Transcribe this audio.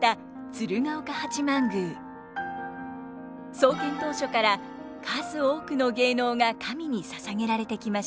創建当初から数多くの芸能が神に捧げられてきました。